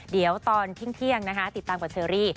เดี๋ยวตอนเที่ยงนะคะติดตามกับเชอรี่